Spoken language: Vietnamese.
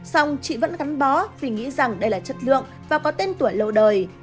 xong chị vẫn gắn bó vì nghĩ rằng đây là chất lượng và có tên tuổi lâu đời